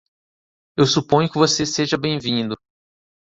Eu suponho que você seja bem-vindo.